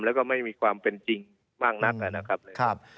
แล้วก็ไม่มีความเป็นจริงมากนักแล้วนะครับ